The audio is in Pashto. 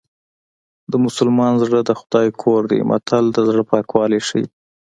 د مسلمان زړه د خدای کور دی متل د زړه پاکوالی ښيي